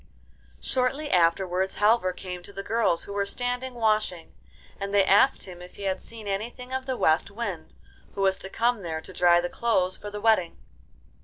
Shortly afterwards Halvor came to the girls who were standing washing, and they asked him if he had seen anything of the West Wind, who was to come there to dry the clothes for the wedding.